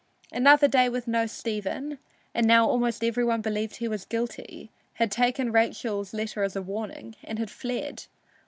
Another day with no Stephen, and now almost every one believed he was guilty, had taken Rachel's letter as a warning and had fled.